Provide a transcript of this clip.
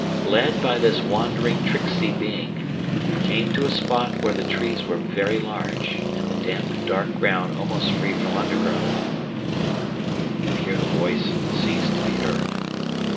Led by this wandering tricksy being, I came to a spot where the trees were very large and the damp dark ground almost free from undergrowth; and here the voice ceased to be heard.